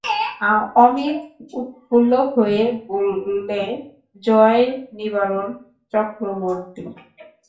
অমিত উৎফুল্ল হয়ে বললে, জয় নিবারণ চক্রবর্তীর!